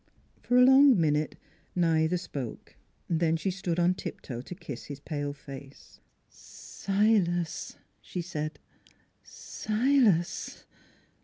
For a long minute neither spoke; then she stood on tiptoe to kiss his pale face. " Silas," she said. "Silas!"